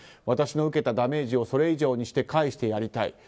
私の受けたダメージをそれ以上にして返してやりたい。